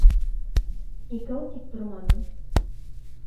Икәү тип торманың.